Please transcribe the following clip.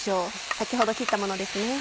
先ほど切ったものですね。